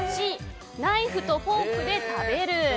Ｃ、ナイフとフォークで食べる。